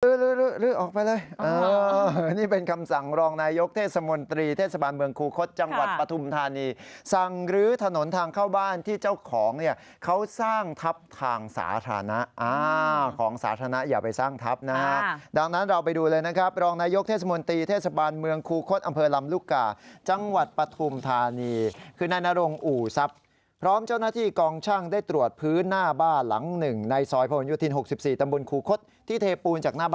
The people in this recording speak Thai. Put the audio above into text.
ลื้อลื้อลื้อลื้อลื้อลื้อลื้อลื้อลื้อลื้อลื้อลื้อลื้อลื้อลื้อลื้อลื้อลื้อลื้อลื้อลื้อลื้อลื้อลื้อลื้อลื้อลื้อลื้อลื้อลื้อลื้อลื้อลื้อลื้อลื้อลื้อลื้อลื้อลื้อลื้อลื้อลื้อลื้อลื้อลื้